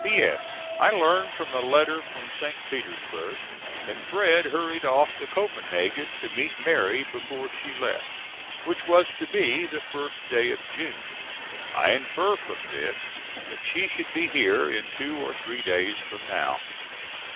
P.S. I learned from a letter from St. Petersburg that Fred. hurried off to Copenhagen to meet Mary before she left, which was to be the 1st day of June. I infer from this that she should be here in two or three days from now.